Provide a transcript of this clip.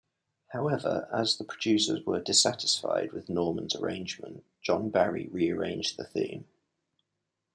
However, as the producers were dissatisfied with Norman's arrangement, John Barry re-arranged the theme.